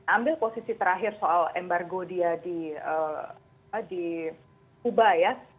ambil posisi terakhir soal embargo dia di kuba ya